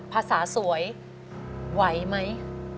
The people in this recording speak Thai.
ภาษาสวยไหวไหม